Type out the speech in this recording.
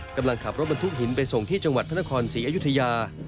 กำลังขับรถบรรทุกหินไปส่งที่จังหวัดพระนครศรีอยุธยา